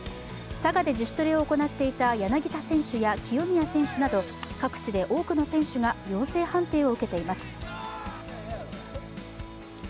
佐賀で自主トレを行っていた柳田選手や清宮選手など各地で多くの選手が陽性判定を受けています。